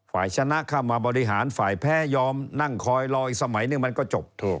ฝ่ายชนะเข้ามาบริหารฝ่ายแพ้ยอมนั่งคอยรออีกสมัยนึงมันก็จบเถอะ